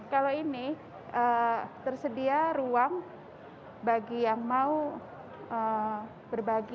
kalau ini terjadi ruang itu berarti kita harus berbagi